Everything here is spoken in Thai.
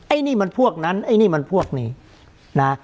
ไอ้นี่มันพวกนั้นไอ้นี่มันพวกนี้นะ